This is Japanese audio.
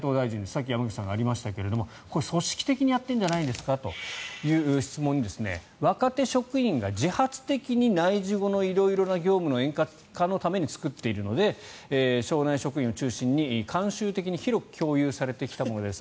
さっき山口さんからありましたが組織的にやってるんじゃないですかという質問に若手職員が自発的に内示後の色々な業務の円滑化のために作っているので省内職員を中心に、慣習的に広く共有されてきたものです